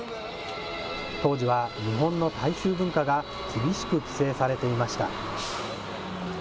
当時は日本の大衆文化が厳しく規制されていました。